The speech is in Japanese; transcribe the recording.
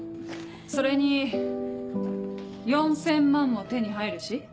それに４０００万も手に入るし？